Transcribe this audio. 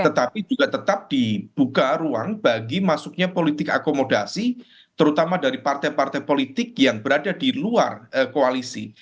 tetapi juga tetap dibuka ruang bagi masuknya politik akomodasi terutama dari partai partai politik yang berada di luar koalisi